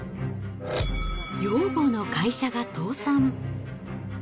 養母の会社が倒産。